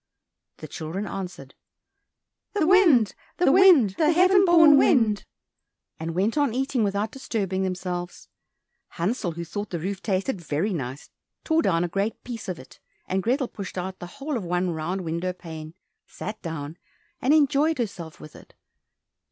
The children answered, "The wind, the wind, The heaven born wind," and went on eating without disturbing themselves. Hansel, who thought the roof tasted very nice, tore down a great piece of it, and Grethel pushed out the whole of one round window pane, sat down, and enjoyed herself with it.